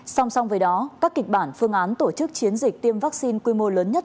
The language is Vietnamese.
song song với đó các kịch bản phương án tổ chức chiến dịch tiêm vaccine quy mô lớn nhất